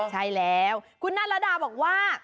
ใช่แล้วคุณนารดาบอกว่า